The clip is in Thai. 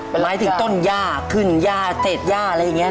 หมายถึงต้นย่าขึ้นย่าเศษย่าอะไรอย่างนี้